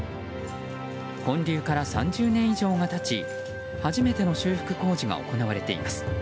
建立から３０年以上が経ち初めての修復工事が行われています。